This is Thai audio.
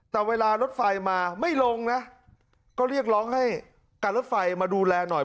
แต่เวลารถไฟมาไม่ลงนะก็เรียกร้องให้การรถไฟมาดูแลหน่อย